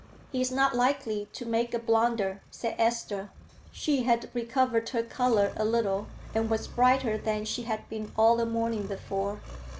"He is not likely to make a blunder," said Esther. She had recovered her color a little, and was brighter than she had been all the morning before.